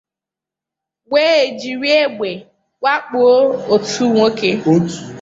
wee jiri egbe wakpò otu nwoke